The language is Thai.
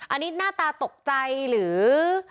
อันนี้หน้าตาตกใจหรือ